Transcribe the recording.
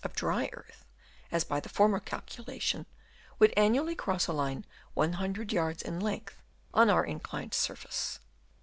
of dry earth as by the former calculation, would annually cross a line 100 yards in length on our inclined surface.